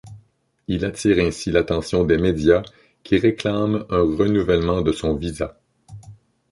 Il attire ainsi l'attention des médias qui réclament un renouvellement de son visa.